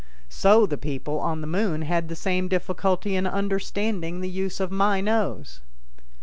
So the people on the Moon had the same difficulty in understanding the use of my nose.